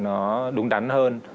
nó đúng đắn hơn